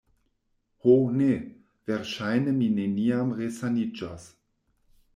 Ho ne; verŝajne mi neniam resaniĝos...